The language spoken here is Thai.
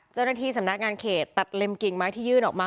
เจ้าหน้าที่สำนักงานเขตตัดเล็มกิ่งไม้ที่ยื่นออกมา